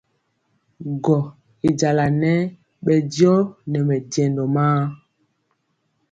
Gɔ y jala nɛɛ bɛ diɔ nɛ mɛjɛndɔ maa.